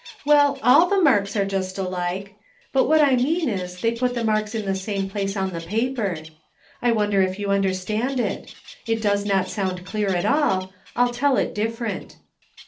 Well, all the marks are just alike, but what I mean is, they put the marks in the same place on the paper. I wonder if you understand it? It does not sound clear at all; I'll tell it different.